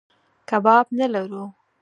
کباب نه لرو.